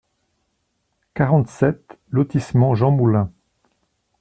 quarante-sept lotissement Jean Moulin